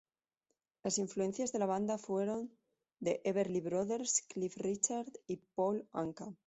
Las influencias de la banda fueron The Everly Brothers, Cliff Richard y Paul Anka.